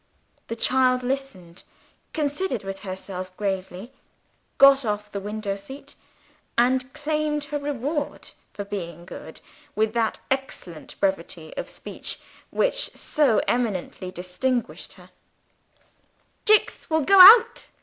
The child listened considered with herself gravely got off the window seat and claimed her reward for being good, with that excellent brevity of speech which so eminently distinguished her: "Jicks will go out."